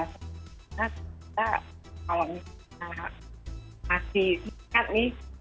sebenarnya kita kalau masih ingat nih